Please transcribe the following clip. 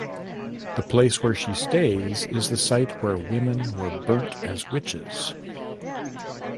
The place where she stays is the site where women were burnt as witches.